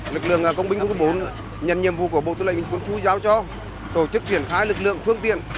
lực lượng công binh quân khu bốn nhận nhiệm vụ của bộ tư lệnh quân khu giao cho tổ chức triển khai lực lượng phương tiện